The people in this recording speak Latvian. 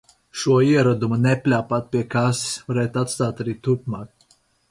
Šo ieradumu – nepļāpāt pie kases - varētu atstāt arī turpmāk.